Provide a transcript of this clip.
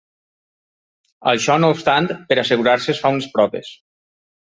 Això no obstant, per assegurar-se es fa unes proves.